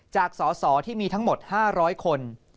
จากสสที่มีทั้งหมด๕๐๐คน